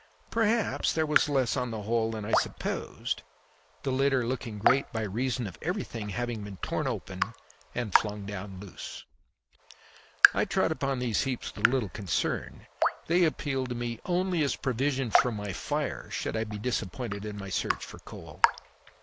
Perhaps there was less on the whole than I supposed, the litter looking great by reason of everything having been torn open and flung down loose. I trod upon these heaps with little concern; they appealed to me only as a provision for my fire should I be disappointed in my search for coal.